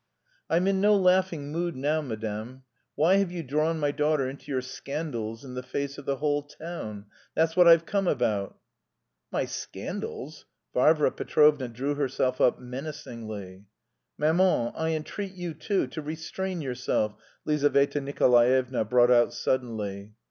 "I'm in no laughing mood now, madam. Why have you drawn my daughter into your scandals in the face of the whole town? That's what I've come about." "My scandals?" Varvara Petrovna drew herself up menacingly. "Maman, I entreat you too, to restrain yourself," Lizaveta Nikolaevna brought out suddenly.